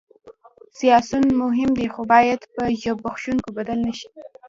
سیاسیون مهم دي خو باید په زبېښونکو بدل نه شي